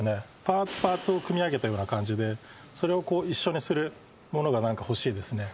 パーツパーツを組み上げたような感じでそれを一緒にするものがなんか欲しいですね